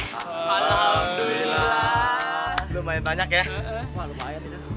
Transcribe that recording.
gak banyak tanya kayak